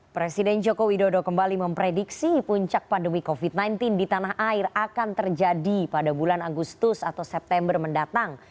presiden joko widodo kembali memprediksi puncak pandemi covid sembilan belas di tanah air akan terjadi pada bulan agustus atau september mendatang